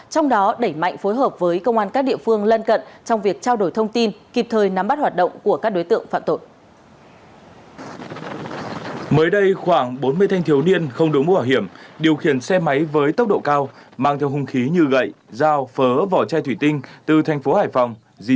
trong đó đẩy mạnh phối hợp với công an các địa phương lân cận trong việc trao đổi thông tin kịp thời nắm bắt hoạt động của các đối tượng phạm tội